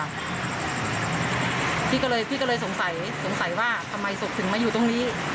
พี่ก็เลยพี่ก็เลยสงสัยสงสัยว่าทำไมศพถึงมาอยู่ตรงนี้